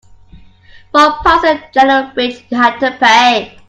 For passing the general bridge, you had to pay.